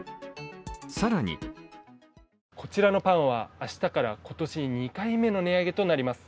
更にこちらのパンは、明日から今年２回目の値上げとなります。